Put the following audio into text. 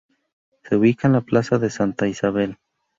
Se ubica en la plaza de Santa Isabel.